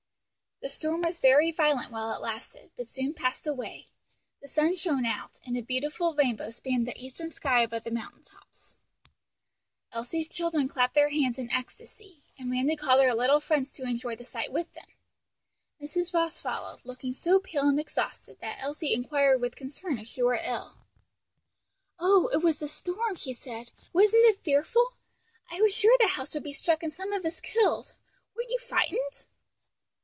The storm was very violent while it lasted, but soon passed away; the sun shone out, and a beautiful rainbow spanned the eastern sky above the mountain tops. Elsie's children clapped their hands in ecstasy, and ran to call their little friends to enjoy the sight with them. Mrs. Ross followed, looking so pale and exhausted, that Elsie inquired with concern if she were ill. "Oh, it was the storm!" she said, "wasn't it fearful? I was sure the house would be struck and some of us killed. Weren't you frightened?"